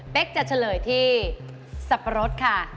จะเฉลยที่สับปะรดค่ะ